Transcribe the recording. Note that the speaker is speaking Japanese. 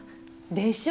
でしょ？